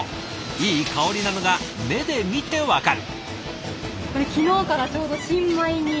いい香りなのが目で見て分かる。